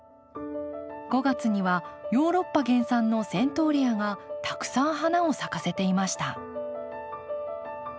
５月にはヨーロッパ原産のセントーレアがたくさん花を咲かせていました。